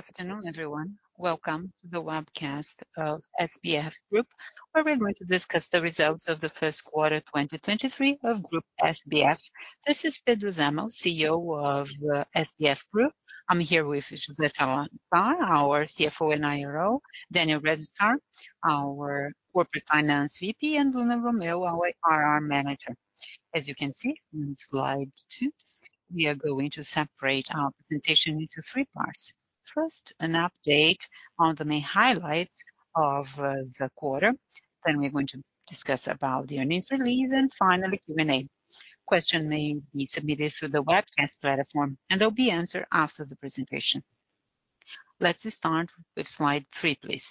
Good afternoon, everyone. Welcome to the webcast of SBF Group, where we're going to discuss the results of the first quarter 2023 of Grupo SBF. This is Pedro Zemel, CEO of SBF Group. I'm here with José Salazar, our CFO and IRO, Daniel Regensteiner, our corporate finance VP, and Luna Romeu, our IR manager. As you can see on slide 2, we are going to separate our presentation into 3 parts. First, an update on the main highlights of the quarter, then we're going to discuss about the earnings release and finally, Q&A. Questions may be submitted through the webcast platform, and they'll be answered after the presentation. Let's start with slide 3, please.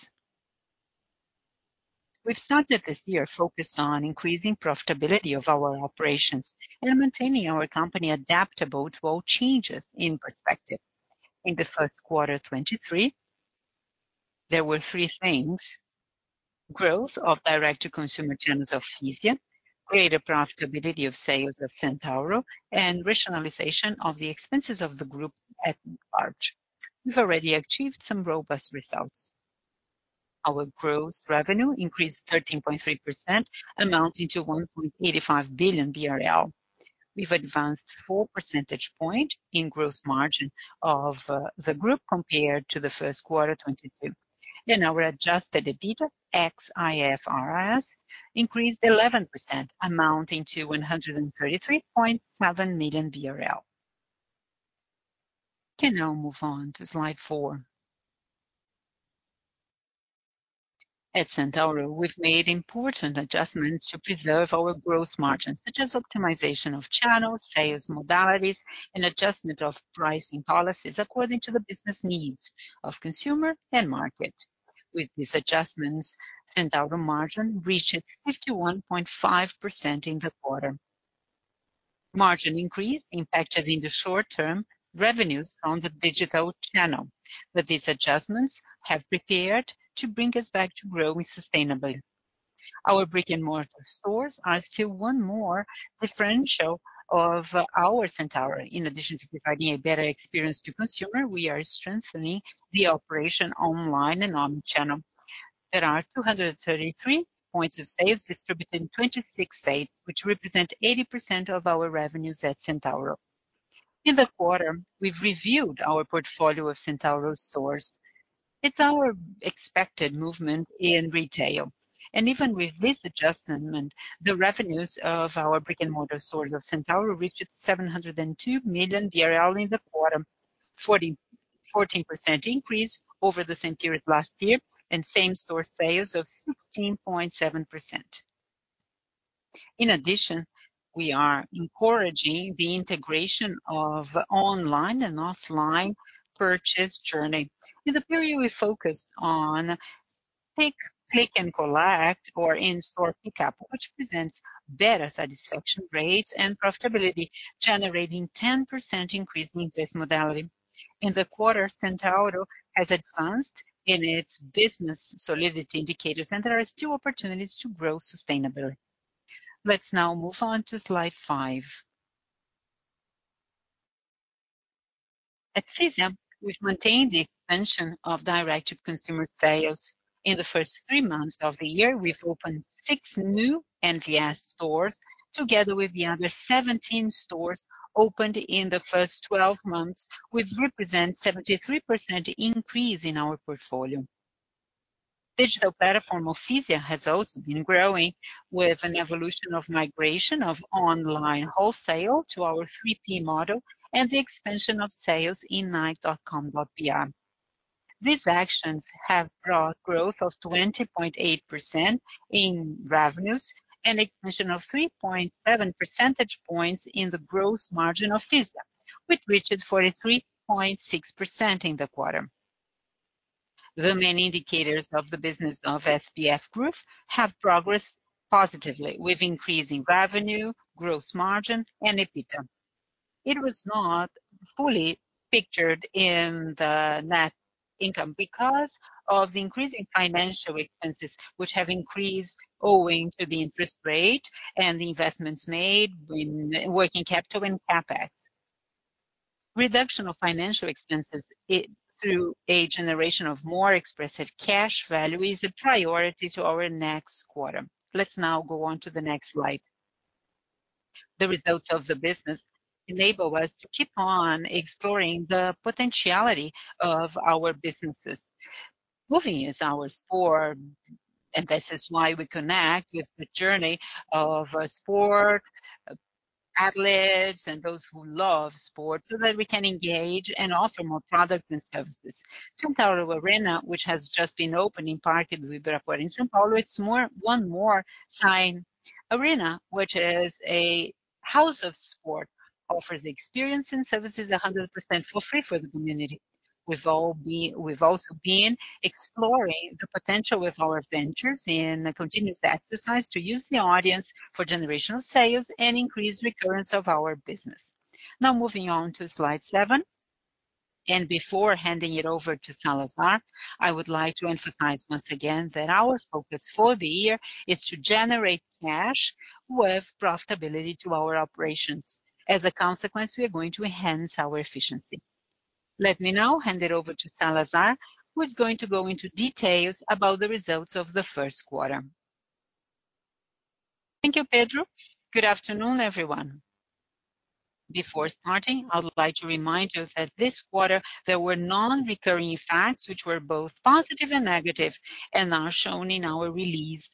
We've started this year focused on increasing profitability of our operations and maintaining our company adaptable to all changes in perspective. In the first quarter 2023, there were 3 things. Growth of direct-to-consumer terms of Fisia, greater profitability of sales of Centauro, and rationalization of the expenses of the group at large. We've already achieved some robust results. Our gross revenue increased 13.3%, amounting to 1.85 billion BRL. We've advanced 4 percentage points in gross margin of the group compared to the first quarter 2022. Our adjusted EBITDA ex IFRS increased 11%, amounting to 133.7 million BRL. Can now move on to slide 4. At Centauro, we've made important adjustments to preserve our gross margins, such as optimization of channels, sales modalities, and adjustment of pricing policies according to the business needs of consumer and market. With these adjustments, Centauro margin reached 51.5% in the quarter. Margin increase impacted in the short term revenues on the digital channel. These adjustments have prepared to bring us back to growing sustainably. Our brick-and-mortar stores are still one more differential of our Centauro. In addition to providing a better experience to consumer, we are strengthening the operation online and on channel. There are 233 points of sales distributed in 26 states, which represent 80% of our revenues at Centauro. In the quarter, we've reviewed our portfolio of Centauro stores. It's our expected movement in retail. Even with this adjustment, the revenues of our brick-and-mortar stores of Centauro reached 702 million BRL in the quarter, 14% increase over the same period last year and same-store sales of 16.7%. In addition, we are encouraging the integration of online and offline purchase journey. In the period, we focused on pick, click and collect or in-store pickup, which presents better satisfaction rates and profitability, generating 10% increase in this modality. In the quarter, Centauro has advanced in its business solidity indicators. There are still opportunities to grow sustainably. Let's now move on to slide 5. At Fisia, we've maintained the expansion of direct-to-consumer sales. In the first 3 months of the year, we've opened 6 new NVS stores, together with the other 17 stores opened in the first 12 months, which represent 73% increase in our portfolio. Digital platform of Fisia has also been growing with an evolution of migration of online wholesale to our three-pin model and the expansion of sales in Nike.com.br. These actions have brought growth of 20.8% in revenues and expansion of 3.7 percentage points in the gross margin of Fisia, which reached 43.6% in the quarter. The main indicators of the business of SBF Group have progressed positively with increase in revenue, gross margin, and EBITDA. It was not fully pictured in the net income because of the increase in financial expenses, which have increased owing to the interest rate and the investments made in working capital and CapEx. Reduction of financial expenses through a generation of more expressive cash value is a priority to our next quarter. Let's now go on to the next slide. The results of the business enable us to keep on exploring the potentiality of our businesses. Moving is our sport, and this is why we connect with the journey of sports athletes and those who love sports, so that we can engage and offer more products and services. Arena Centauro, which has just been opened in Parque Ibirapuera in São Paulo, it's one more sign. Arena, which is a house of sport, offers experience and services 100% for free for the community. We've also been exploring the potential with our ventures in a continuous exercise to use the audience for generational sales and increase recurrence of our business. Now moving on to slide 7. Before handing it over to Salazar, I would like to emphasize once again that our focus for the year is to generate cash with profitability to our operations. As a consequence, we are going to enhance our efficiency. Let me now hand it over to Salazar, who is going to go into details about the results of the first quarter. Thank you, Pedro. Good afternoon, everyone. Before starting, I would like to remind you that this quarter there were non-recurring facts which were both positive and negative and are shown in our release.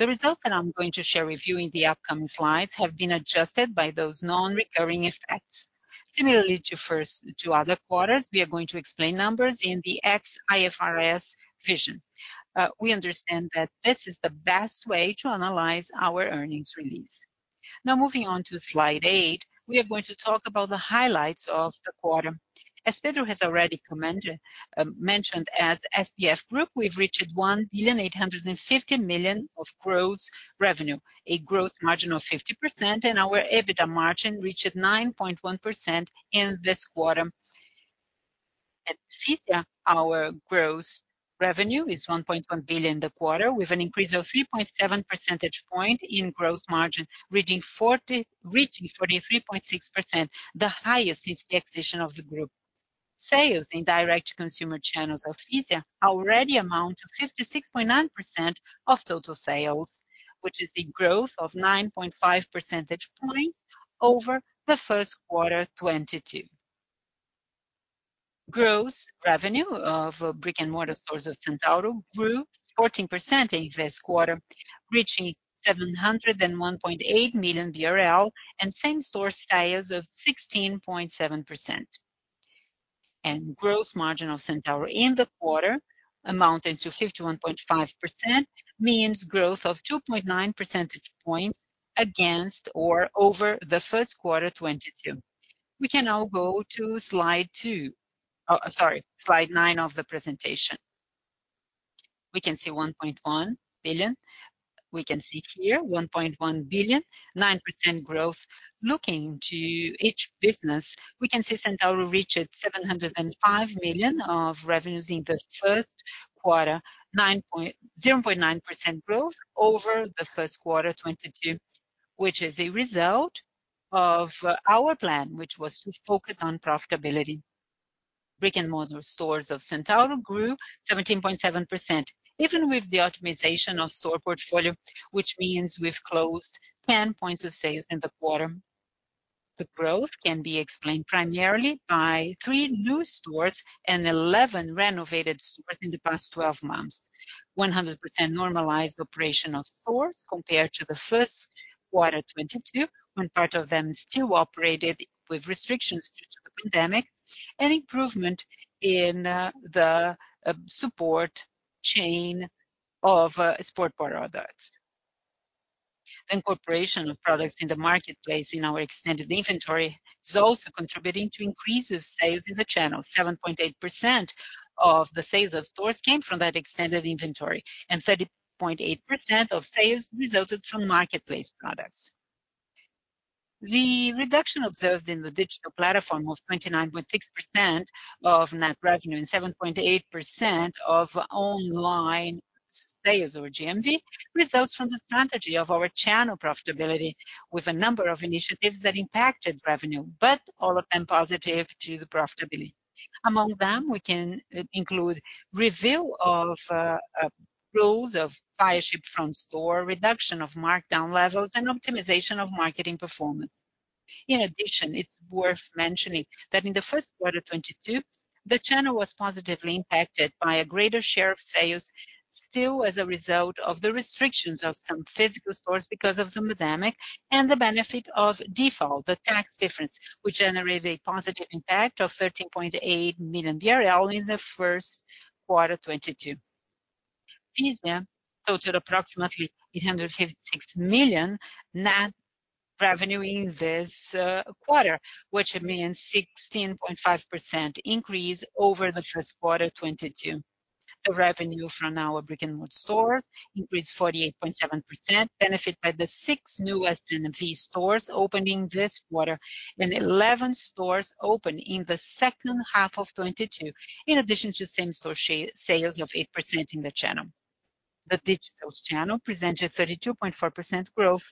The results that I'm going to share with you in the upcoming slides have been adjusted by those non-recurring effects. Similarly to first to other quarters, we are going to explain numbers in the ex-IFRS vision. We understand that this is the best way to analyze our earnings release. Moving on to slide eight, we are going to talk about the highlights of the quarter. As Pedro has already mentioned, as Grupo SBF, we've reached 1.85 billion of gross revenue, a growth margin of 50%, and our EBITDA margin reached 9.1% in this quarter. At Fisia, our gross revenue is 1.1 billion in the quarter, with an increase of 3.7 percentage points in gross margin, reaching 43.6%, the highest since the acquisition of the group. Sales in direct consumer channels of Fisia already amount to 56.9% of total sales, which is a growth of 9.5 percentage points over the first quarter 2022. Gross revenue of brick-and-mortar stores of Centauro grew 14% in this quarter, reaching 701.8 million BRL, and same-store sales of 16.7%. Gross margin of Centauro in the quarter amounted to 51.5%, means growth of 2.9 percentage points against or over the first quarter 2022. We can now go to slide 2. Sorry, slide 9 of the presentation. We can see here 1.1 billion, 9% growth. Looking to each business, we can see Centauro reached 705 million of revenues in the first quarter, 0.9% growth over the first quarter 2022, which is a result of our plan, which was to focus on profitability. Brick-and-mortar stores of Centauro grew 17.7%, even with the optimization of store portfolio, which means we've closed 10 points of sales in the quarter. The growth can be explained primarily by 3 new stores and 11 renovated stores within the past 12 months. 100% normalized operation of stores compared to the first quarter 2022, when part of them still operated with restrictions due to the pandemic, and improvement in the support chain of sport bar products. Incorporation of products in the marketplace in our extended inventory is also contributing to increase of sales in the channel. 7.8% of the sales of stores came from that extended inventory, and 30.8% of sales resulted from marketplace products. The reduction observed in the digital platform was 29.6% of net revenue and 7.8% of online sales or GMV results from the strategy of our channel profitability with a number of initiatives that impacted revenue, but all of them positive to the profitability. Among them, we can include review of rules of buy a ship from store, reduction of markdown levels, and optimization of marketing performance. In addition, it's worth mentioning that in the first quarter 2022, the channel was positively impacted by a greater share of sales, still as a result of the restrictions of some physical stores because of the pandemic and the benefit of default, the tax difference, which generated a positive impact of 13.8 million BRL in the first quarter 2022. Fisia totaled approximately 856 million net revenue in this quarter, which means 16.5% increase over the first quarter 2022. The revenue from our brick-and-mortar stores increased 48.7%, benefit by the six new NVS stores opening this quarter and 11 stores open in the second half of 2022, in addition to same-store sales of 8% in the channel. The digital channel presented 32.4% growth,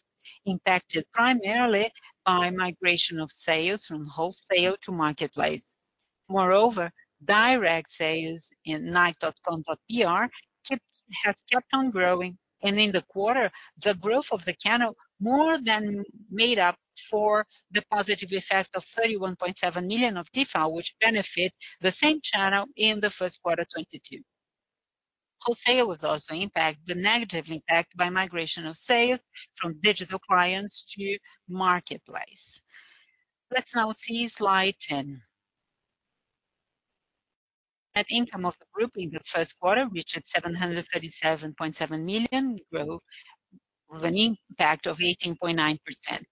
impacted primarily by migration of sales from wholesale to marketplace. Direct sales in nike.com.br has kept on growing. In the quarter, the growth of the channel more than made up for the positive effect of 31.7 million of default, which benefit the same channel in the first quarter 2022. Wholesale was also negatively impacted by migration of sales from digital clients to marketplace. Let's now see slide 10. Net income of the group in the first quarter reached 737.7 million growth with an impact of 18.9%.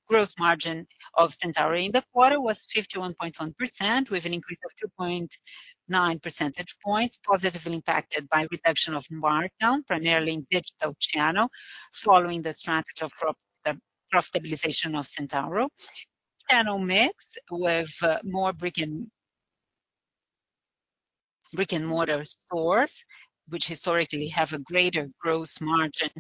Gross margin of Centauro in the quarter was 51.1% with an increase of 2.9 percentage points, positively impacted by reduction of markdown, primarily in digital channel, following the strategy of profitabilization of Centauro. Channel mix with more brick-and-mortar stores, which historically have a greater gross margin.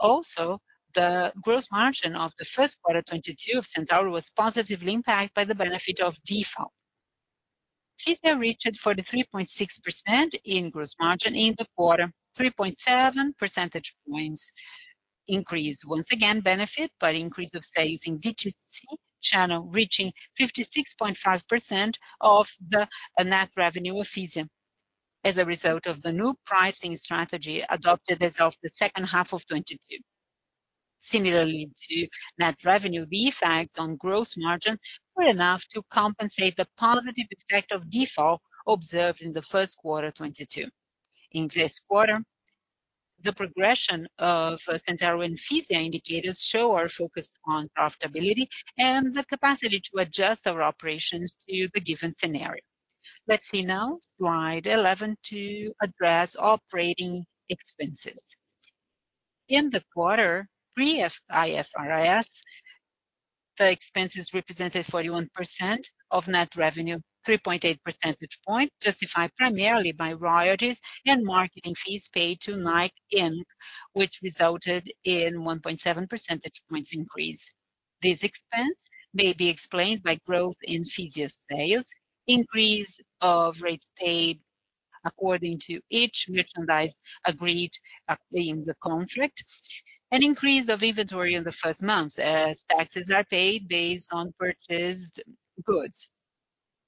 Also the gross margin of the first quarter 2022 of Centauro was positively impacted by the benefit of default. Fisia reached 43.6% in gross margin in the quarter, 3.7 percentage points increase. Once again, benefit by increase of sales in DTC channel, reaching 56.5% of the net revenue of Fisia as a result of the new pricing strategy adopted as of the second half of 2022. Similarly to net revenue, the effects on gross margin were enough to compensate the positive effect of default observed in the first quarter 2022. In this quarter, the progression of Centauro and Fisia indicators show our focus on profitability and the capacity to adjust our operations to the given scenario. Let's see now slide 11 to address operating expenses. In the quarter, pre-IFRS, the expenses represented 41% of net revenue, 3.8 percentage point justified primarily by royalties and marketing fees paid to Nike, Inc., which resulted in 1.7 percentage points increase. This expense may be explained by growth in Fisia sales, increase of rates paid according to each merchandise agreed upon in the contract, an increase of inventory in the 1st month as taxes are paid based on purchased goods.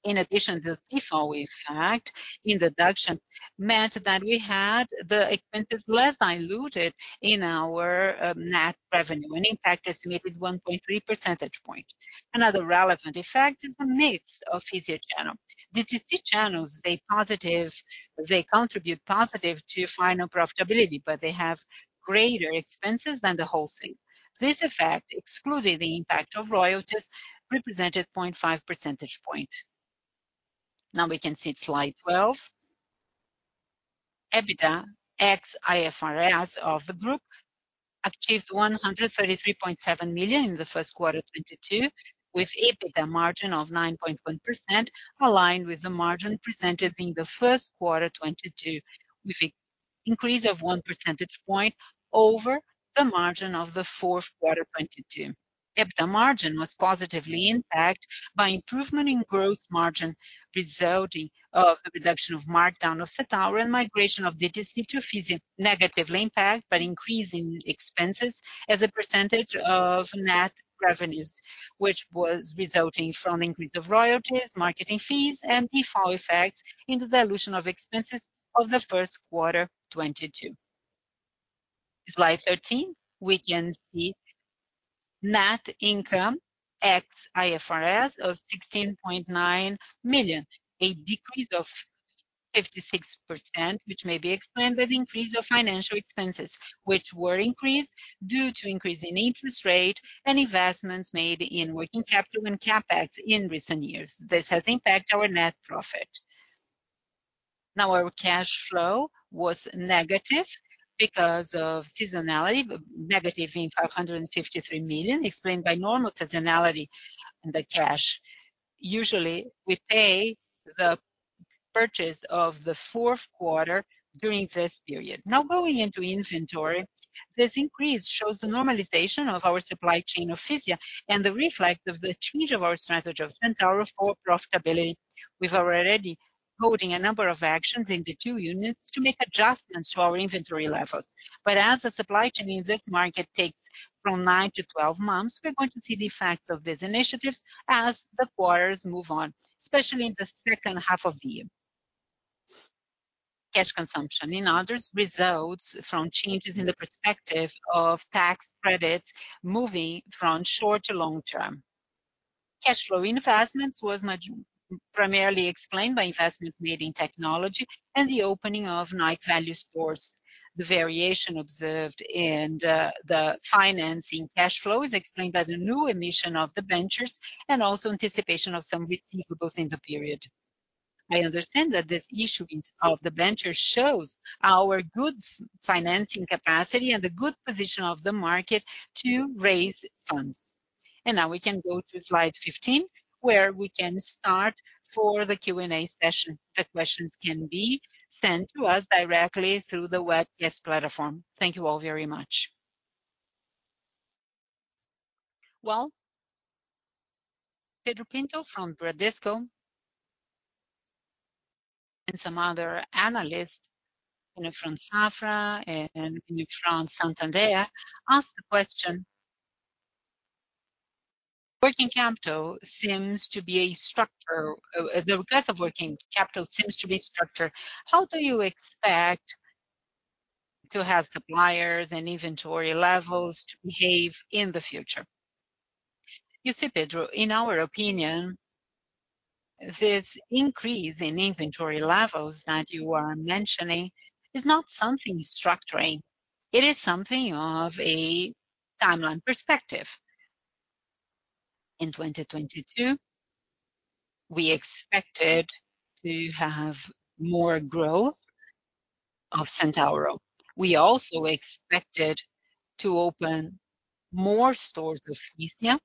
In addition, the default effect in the deduction meant that we had the expenses less diluted in our net revenue, and in fact estimated 1.3 percentage point. Another relevant effect is the mix of Fisia channel. DTC channels, they contribute positive to final profitability, but they have greater expenses than the wholesale. This effect, excluding the impact of royalties, represented 0.5 percentage point. Now we can see slide 12. EBITDA ex-IFRS of the group achieved 133.7 million in the first quarter 2022, with EBITDA margin of 9.1% aligned with the margin presented in the first quarter 2022, with a increase of one percentage point over the margin of the fourth quarter 2022. EBITDA margin was positively impacted by improvement in gross margin resulting of the reduction of markdown of Centauro and migration of DTC to Fisia negatively impact by increase in expenses as a percentage of net revenues, which was resulting from increase of royalties, marketing fees and default effects in the dilution of expenses of the first quarter 2022. Slide 13, we can see net income ex IFRS of 16.9 million, a decrease of 56%, which may be explained by the increase of financial expenses, which were increased due to increase in interest rate and investments made in working capital and CapEx in recent years. This has impacted our net profit. Our cash flow was negative because of seasonality, negative in 553 million, explained by normal seasonality in the cash. Usually we pay the purchase of the 4th quarter during this period. Going into inventory, this increase shows the normalization of our supply chain of Fisia and the reflect of the change of our strategy of Centauro for profitability with already holding a number of actions in the 2 units to make adjustments to our inventory levels. As a supply chain in this market takes from 9-12 months, we're going to see the effects of these initiatives as the quarters move on, especially in the second half of the year. Cash consumption, in others results from changes in the perspective of tax credits moving from short to long term. Cash flow investments was primarily explained by investments made in technology and the opening of Nike Value Stores. The variation observed in the financing cash flow is explained by the new emission of debentures and also anticipation of some receivables in the period. I understand that this issuing of the debenture shows our good financing capacity and the good position of the market to raise funds. Now we can go to slide 15, where we can start for the Q&A session. The questions can be sent to us directly through the Webex Platform. Thank you all very much. Pedro Pinto from Bradesco and some other analysts from Safra and from Santander asked the question: the growth of working capital seems to be structure. How do you expect to have suppliers and inventory levels to behave in the future? You see, Pedro, in our opinion, this increase in inventory levels that you are mentioning is not something structuring. It is something of a timeline perspective. In 2022, we expected to have more growth of Centauro. We also expected to open more stores of Fisia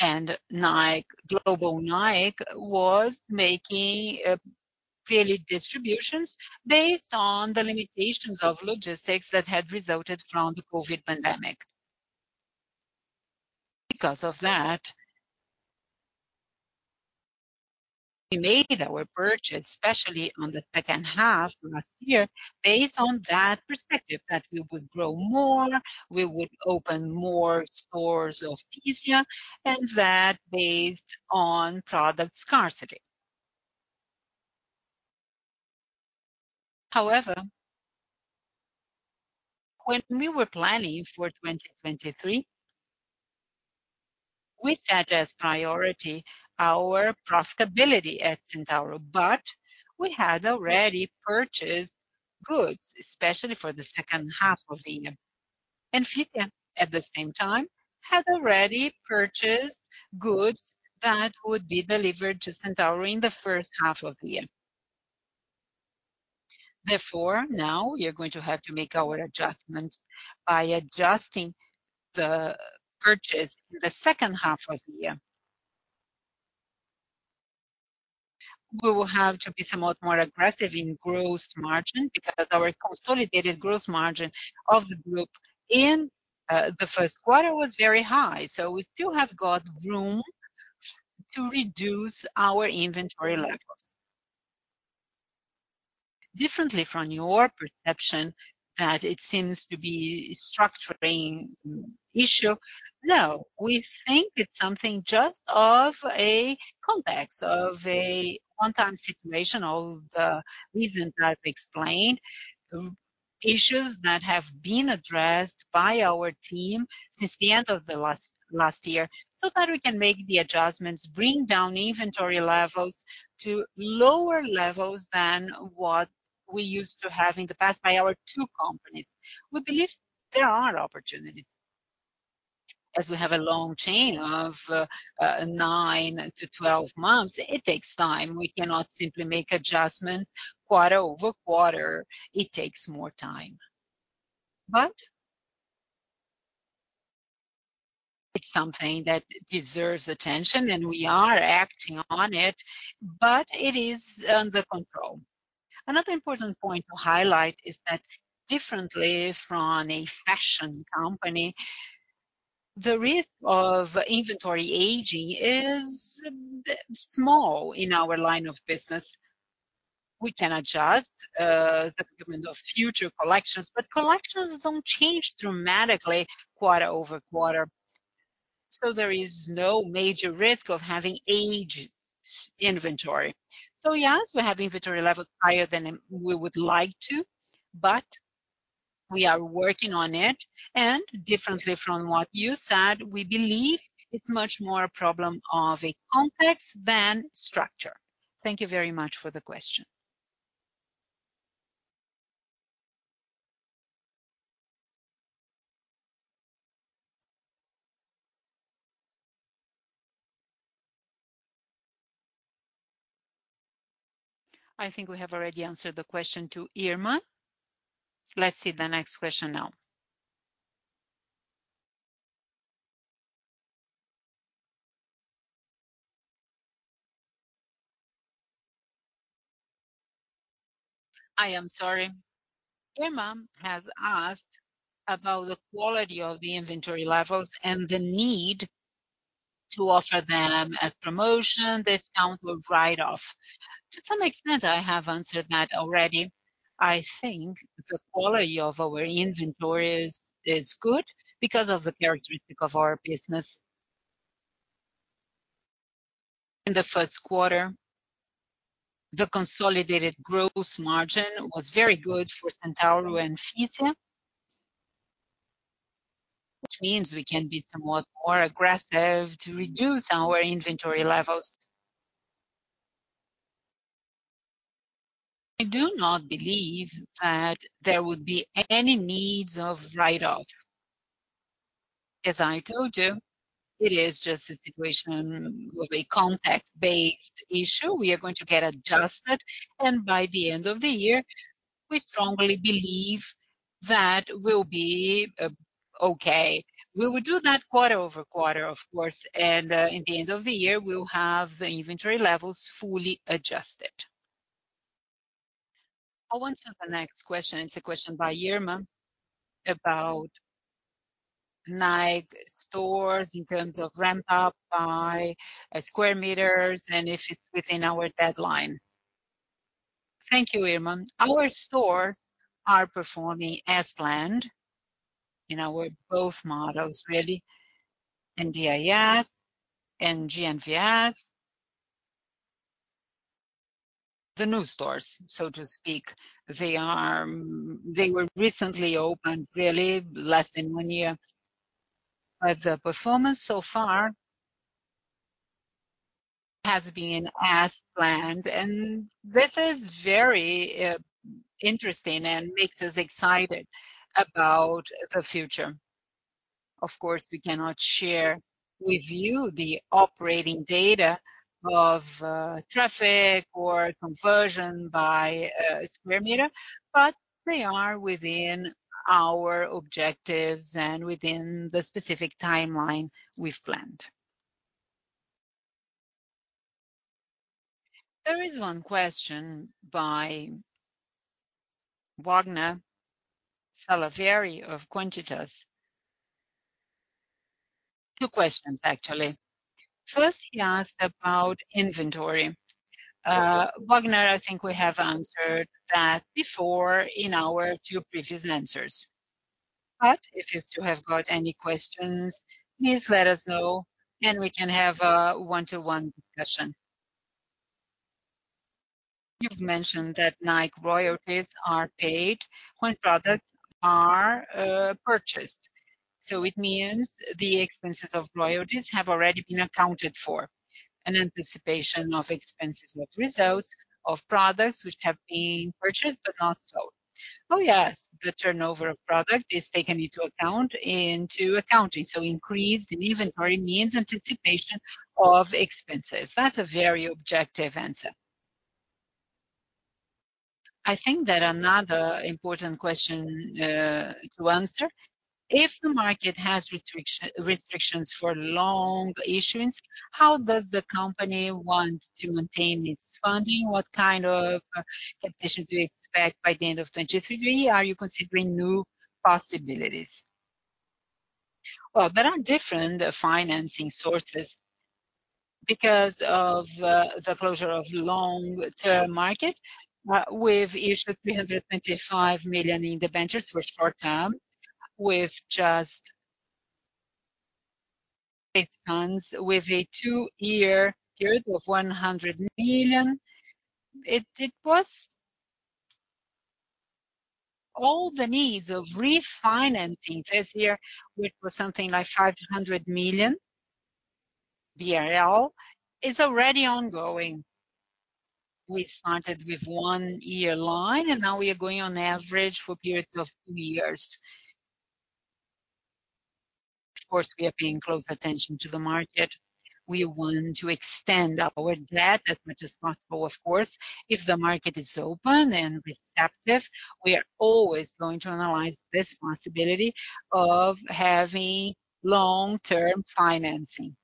and Nike. Global Nike was making fairly distributions based on the limitations of logistics that had resulted from the COVID pandemic. Because of that, we made our purchase, especially on the second half last year, based on that perspective, that we would grow more, we would open more stores of Fisia, and that based on product scarcity. When we were planning for 2023, we set as priority our profitability at Centauro, but we had already purchased goods, especially for the second half of the year. Fisia, at the same time, had already purchased goods that would be delivered to Centauro in the first half of the year. Now we are going to have to make our adjustments by adjusting the purchase in the second half of the year. We will have to be somewhat more aggressive in gross margin because our consolidated gross margin of the group in the first quarter was very high. We still have got room to reduce our inventory levels. Differently from your perception that it seems to be structuring issue. No, we think it's something just of a context of a one-time situation of the reasons I've explained. Issues that have been addressed by our team since the end of last year, so that we can make the adjustments, bring down inventory levels to lower levels than what we used to have in the past by our 2 companies. We believe there are opportunities. As we have a long chain of 9-12 months, it takes time. We cannot simply make adjustments quarter over quarter. It takes more time. It's something that deserves attention, and we are acting on it, but it is under control. Another important point to highlight is that differently from a fashion company, the risk of inventory aging is small in our line of business. We can adjust the commitment of future collections. Collections don't change dramatically quarter-over-quarter. There is no major risk of having aged inventory. Yes, we have inventory levels higher than we would like to. We are working on it. Differently from what you said, we believe it's much more a problem of a context than structure. Thank you very much for the question. I think we have already answered the question to Irma. Let's see the next question now. I am sorry. Irma has asked about the quality of the inventory levels and the need to offer them as promotion, discount or write-off. To some extent, I have answered that already. I think the quality of our inventories is good because of the characteristic of our business. In the first quarter, the consolidated gross margin was very good for Centauro and Fisia, which means we can be somewhat more aggressive to reduce our inventory levels. I do not believe that there would be any needs of write-off. As I told you, it is just a situation of a context-based issue. We are going to get adjusted, and by the end of the year, we strongly believe that we'll be okay. We will do that quarter-over-quarter, of course, and in the end of the year, we'll have the inventory levels fully adjusted. I'll answer the next question. It's a question by Irma about Nike stores in terms of ramp up by square meters and if it's within our deadline. Thank you, Irma. Our stores are performing as planned in our both models, really, in NDIS and NVS. The new stores, so to speak, they were recently opened, really less than 1 year. The performance so far has been as planned, and this is very interesting and makes us excited about the future. Of course, we cannot share with you the operating data of traffic or conversion by square meter, but they are within our objectives and within the specific timeline we've planned. There is one question by Wagner Salaverry of Quantitas. Two questions, actually. First, he asked about inventory. Wagner, I think we have answered that before in our two previous answers. If you still have got any questions, please let us know, and we can have a one-to-one discussion. You've mentioned that Nike royalties are paid when products are purchased. It means the expenses of royalties have already been accounted for in anticipation of expenses, not results of products which have been purchased but not sold. Oh, yes. The turnover of product is taken into account into accounting, so increased inventory means anticipation of expenses. That's a very objective answer. I think that another important question to answer: If the market has restrictions for long issuance, how does the company want to maintain its funding? What kind of conditions do you expect by the end of 2023? Are you considering new possibilities? Well, there are different financing sources. Because of the closure of long-term market, we've issued 325 million in debentures for short-term with just 8 months, with a two-year period of 100 million. It was all the needs of refinancing this year, which was something like 500 million BRL. It's already ongoing. We started with one year line, and now we are going on average for periods of two years. Of course, we are paying close attention to the market. We want to extend our debt as much as possible, of course. If the market is open and receptive, we are always going to analyze this possibility of having long-term financing.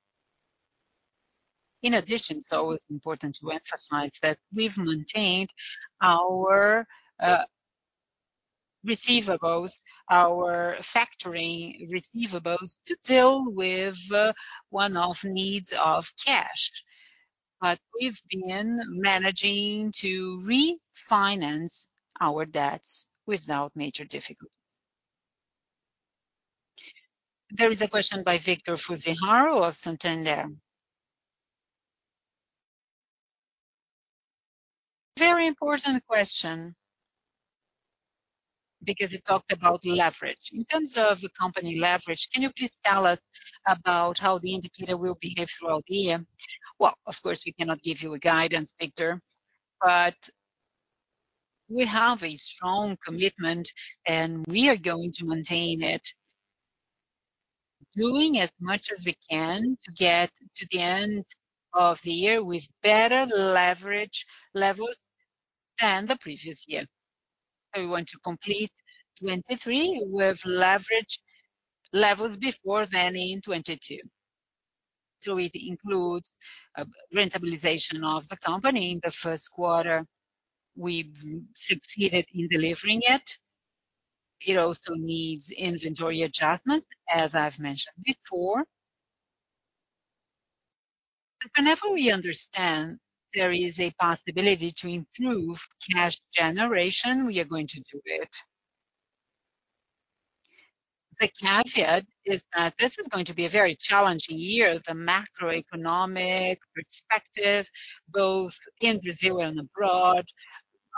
In addition, it's always important to emphasize that we've maintained our receivables, our factoring receivables to deal with one-off needs of cash. We've been managing to refinance our debts without major difficulty. There is a question by Vitor Fuziharo of Santander. Very important question because it talked about leverage. In terms of the company leverage, can you please tell us about how the indicator will behave throughout the year? Well, of course, we cannot give you a guidance, Victor, but we have a strong commitment, and we are going to maintain it, doing as much as we can to get to the end of the year with better leverage levels than the previous year. We want to complete 2023 with leverage levels before then in 2022. It includes a rentabilization of the company. In the first quarter, we've succeeded in delivering it. It also needs inventory adjustments, as I've mentioned before. Whenever we understand there is a possibility to improve cash generation, we are going to do it. The caveat is that this is going to be a very challenging year. The macroeconomic perspective, both in Brazil and abroad,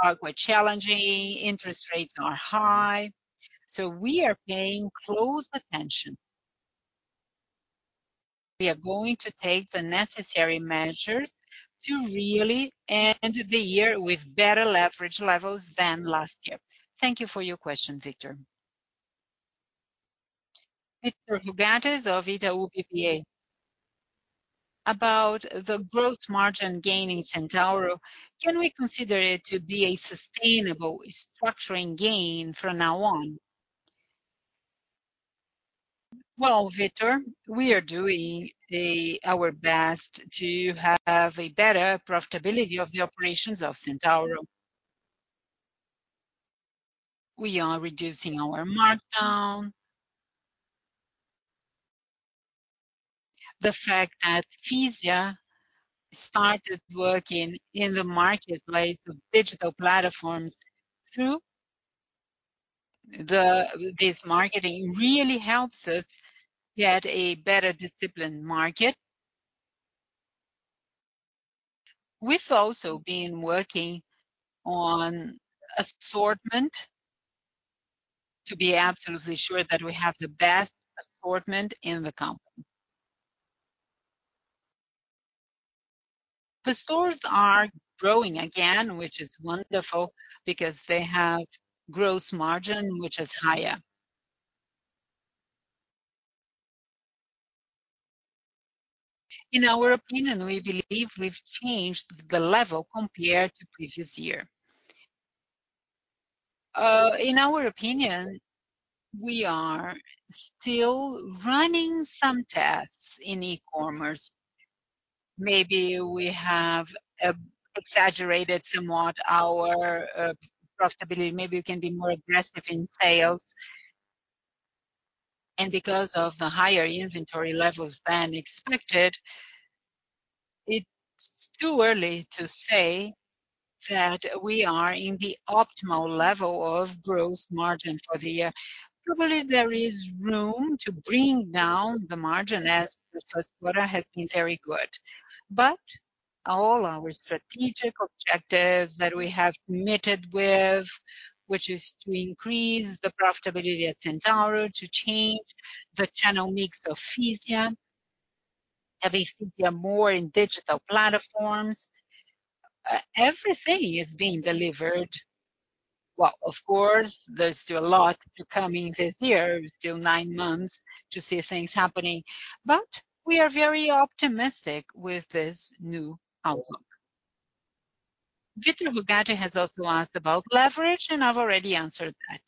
are quite challenging. Interest rates are high. We are paying close attention. We are going to take the necessary measures to really end the year with better leverage levels than last year. Thank you for your question, Vitor. Victor Rogatis of Itaú BBA. About the gross margin gain in Centauro, can we consider it to be a sustainable structuring gain from now on? Well, Victor, we are doing our best to have a better profitability of the operations of Centauro. We are reducing our markdown. The fact that Fisia started working in the marketplace of digital platforms too. This marketing really helps us get a better disciplined market. We've also been working on assortment to be absolutely sure that we have the best assortment in the company. The stores are growing again, which is wonderful because they have gross margin, which is higher. In our opinion, we believe we've changed the level compared to previous year. In our opinion, we are still running some tests in e-commerce. Maybe we have exaggerated somewhat our profitability. Maybe we can be more aggressive in sales. Because of the higher inventory levels than expected, it's too early to say that we are in the optimal level of gross margin for the year. Probably there is room to bring down the margin as the first quarter has been very good. All our strategic objectives that we have committed with, which is to increase the profitability at Centauro, to change the channel mix of Cia, have Cia more in digital platforms, everything is being delivered. Well, of course, there's still a lot to come in this year. We still 9 months to see things happening. We are very optimistic with this new outlook. Victor Rogatis has also asked about leverage, and I've already answered that.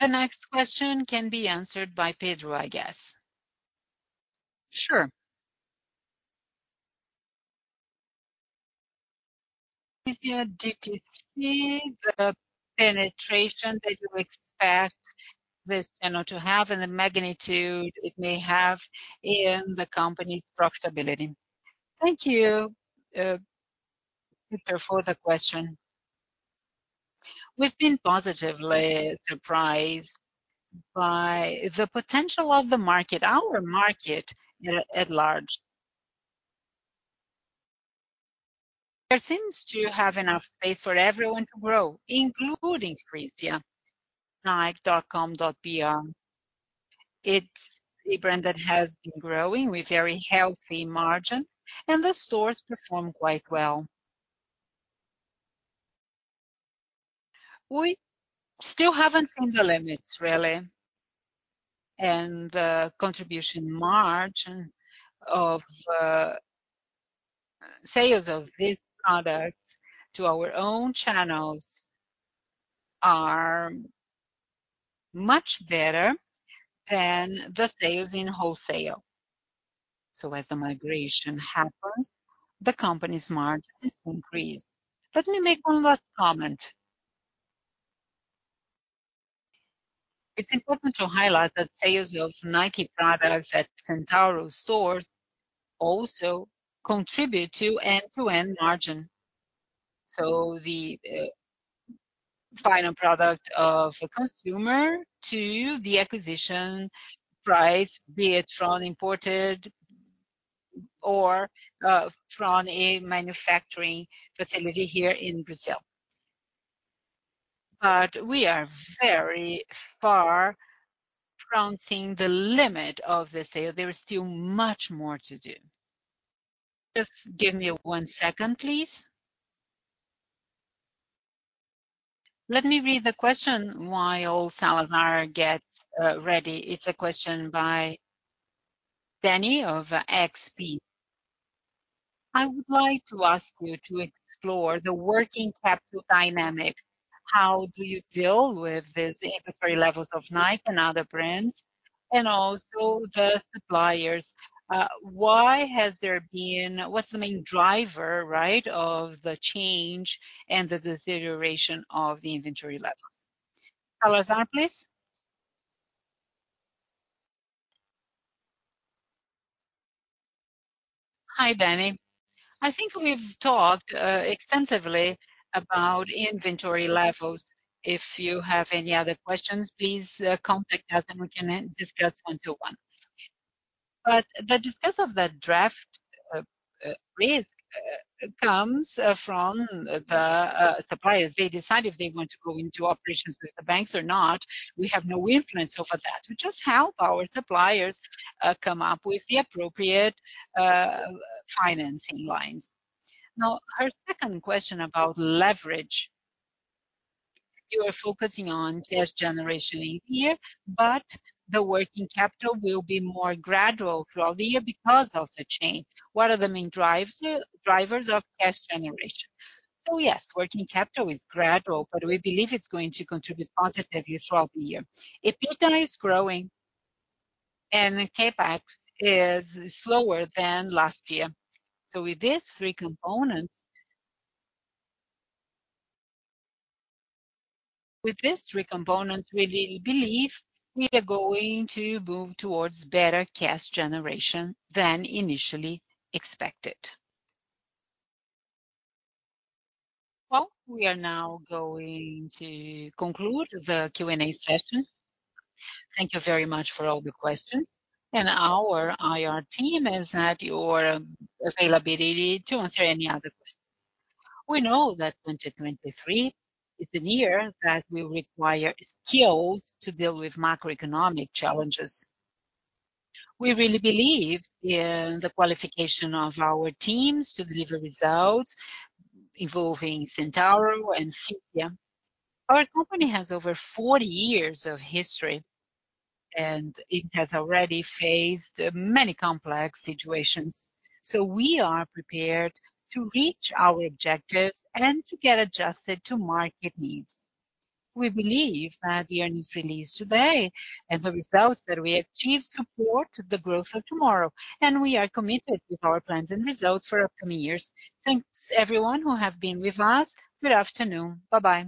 The next question can be answered by Pedro, I guess. Sure. Cia DTC, the penetration that you expect this channel to have and the magnitude it may have in the company's profitability. Thank you, Peter, for the question. We've been positively surprised by the potential of the market, our market at large. There seems to have enough space for everyone to grow, including Fisia. Nike.com.br. It's a brand that has been growing with very healthy margin, and the stores perform quite well. We still haven't seen the limits, really, and the contribution margin of sales of these products to our own channels are much better than the sales in wholesale. As the migration happens, the company's margin is increased. Let me make one last comment. It's important to highlight that sales of Nike products at Centauro stores also contribute to end-to-end margin. The final product of a consumer to the acquisition price, be it from imported or from a manufacturing facility here in Brazil. We are very far from seeing the limit of the sale. There is still much more to do. Just give me 1 second, please. Let me read the question while Salazar gets ready. It's a question by Danny of XP. I would like to ask you to explore the working capital dynamics. How do you deal with this inventory levels of Nike and other brands and also the suppliers? What's the main driver, right, of the change and the deterioration of the inventory levels? Salazar, please. Hi, Danny. I think we've talked extensively about inventory levels. If you have any other questions, please contact us and we can then discuss one-to-one. The discuss of that draft risk comes from the suppliers. They decide if they want to go into operations with the banks or not. We have no influence over that. We just help our suppliers come up with the appropriate financing lines. Now, our second question about leverage. You are focusing on cash generation in here, but the working capital will be more gradual throughout the year because of the change. What are the main drivers of cash generation? Yes, working capital is gradual, but we believe it's going to contribute positively throughout the year. EBITDA is growing and the CapEx is slower than last year. With these three components, we really believe we are going to move towards better cash generation than initially expected. Well, we are now going to conclude the Q&A session. Thank you very much for all the questions. Our IR team is at your availability to answer any other questions. We know that 2023 is the year that will require skills to deal with macroeconomic challenges. We really believe in the qualification of our teams to deliver results involving Centauro and Cia. Our company has over 40 years of history, and it has already faced many complex situations, so we are prepared to reach our objectives and to get adjusted to market needs. We believe that the earnings released today and the results that we achieved support the growth of tomorrow, and we are committed with our plans and results for upcoming years. Thanks everyone who have been with us. Good afternoon. Bye-bye.